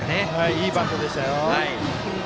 いいバントでしたよ。